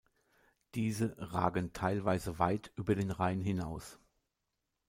Diese ragen teilweise weit über den Rhein hinaus.